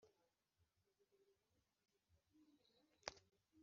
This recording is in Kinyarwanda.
umuntu wese uri kw’isi kandi yabishobora